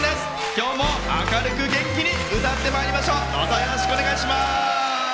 今日も明るく元気に歌ってまいりましょう。